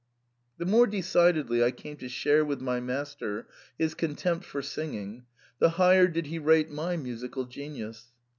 " The more decidedly I came to share with my master his contempt for singing, the higher did he rate my musical genius.